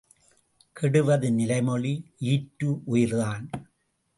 கெடுவது நிலைமொழி ஈற்று உயிர்தான்.